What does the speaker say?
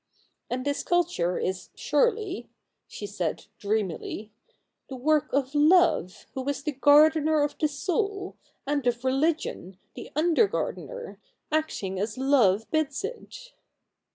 And this culture is, surely,' she said dreamily, ' the work of Love who is the gardener of the soul, and of Religion, the under gardener, acting as Love bids it.'